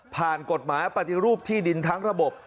ผ่านกฎหมายปฏิรูปที่ดินทั้งระบบ